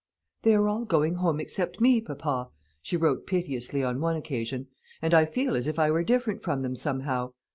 "They are all going home except me, papa," she wrote piteously on one occasion, "and I feel as if I were different from them, somehow.